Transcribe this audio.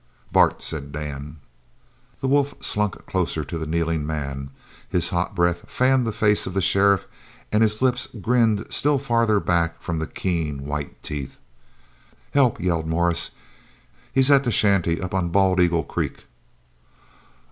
"Bart!" said Dan. The wolf slunk closer to the kneeling man. His hot breath fanned the face of the sheriff and his lips grinned still farther back from the keen, white teeth. "Help!" yelled Morris. "He's at the shanty up on Bald eagle Creek."